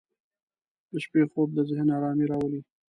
• د شپې خوب د ذهن آرامي راولي.